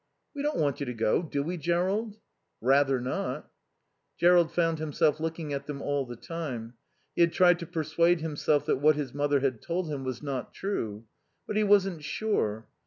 "We don't want you to go, do we, Jerrold?" "Rather not." Jerrold found himself looking at them all the time. He had tried to persuade himself that what his mother had told him was not true. But he wasn't sure.